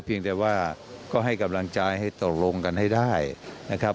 เพียงแต่ว่าก็ให้กำลังใจให้ตกลงกันให้ได้นะครับ